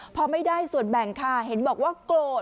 พอไม่ได้ส่วนแบ่งค่ะเห็นบอกว่าโกรธ